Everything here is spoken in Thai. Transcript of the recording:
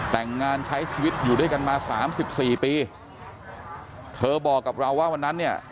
แต่งงานใช้ชีวิตอยู่ด้วยกันมาสามสิบสี่ปีเธอบอกกับเราว่าวันนั้นเนี่ย